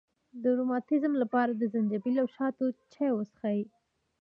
د روماتیزم لپاره د زنجبیل او شاتو چای وڅښئ